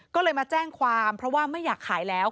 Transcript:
ก็เลยมาแจ้งความเพราะว่าไม่อยากขายแล้ว